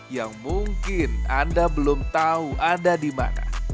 yang mungkin anda belum tahu ada di mana